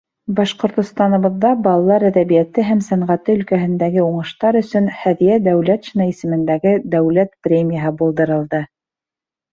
Башҡортостаныбыҙҙа балалар әҙәбиәте һәм сәнғәте өлкәһендәге уңыштар өсөн һәҙиә Дәүләтшина исемендәге дәүләт премияһы булдырылды.